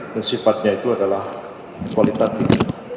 dan sifatnya itu adalah kualitatif